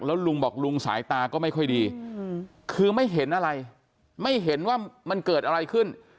แล้วลุงบอกลุงสายตาก็ไม่ค่อยดีคือไม่เห็นอะไรไม่เห็นว่ามันเกิดอะไรขึ้น